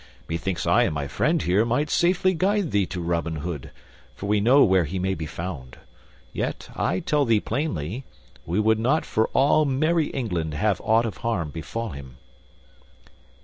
Methinks I and my friend here might safely guide thee to Robin Hood, for we know where he may be found. Yet I tell thee plainly, we would not for all merry England have aught of harm befall him."